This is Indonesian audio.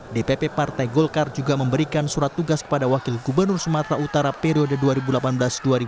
dpp partai golkar juga memberikan surat tugas kepada wakil gubernur sumatera utara periode dua ribu delapan belas dua ribu dua puluh